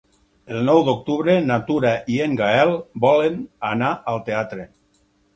El nou d'octubre na Tura i en Gaël volen anar al teatre.